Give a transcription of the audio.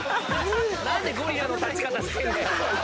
何でゴリラの立ち方してんだよ？